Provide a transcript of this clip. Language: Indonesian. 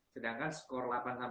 sedangkan skor delapan sembilan